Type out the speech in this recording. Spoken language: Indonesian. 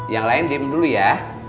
yang lain diem dulu ya